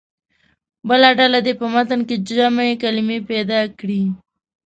بله ډله دې په متن کې جمع کلمې پیدا کړي.